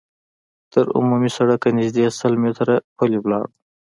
تر عمومي سړکه نږدې سل متره پلي لاړو.